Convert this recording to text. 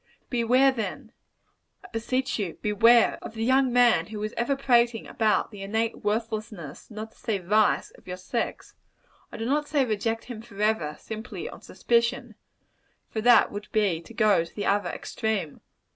Beware, then I beseech you, beware of the young man who is ever prating about the innate worthlessness, not to say vice, of your sex. I do not say, reject him forever, simply on suspicion; for that would be to go to the other extreme.